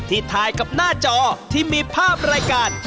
ถ่ายกับหน้าจอที่มีภาพรายการ